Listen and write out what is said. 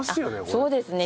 そうですね。